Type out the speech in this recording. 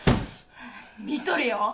見とれよ！